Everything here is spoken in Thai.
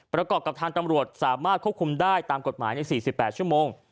ประกอบกับทางตำรวจสามารถควบคุมได้ตามกฎหมายใน๔๘ชั่วโมง